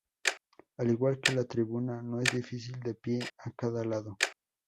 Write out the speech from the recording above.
Al igual que la Tribuna, no es difícil de pie a cada lado.